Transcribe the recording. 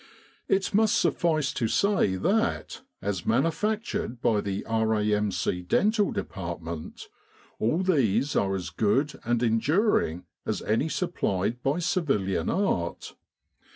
It must suffice to say that, as manufactured by the R.A.M.C. dental depart ment, all these are as good and enduring as any sup plied by civilian art.